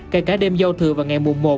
kể cả đêm giao thừa và ngày mùa một